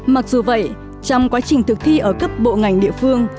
mặc dù vậy trong quá trình thực thi ở cấp bộ ngành địa phương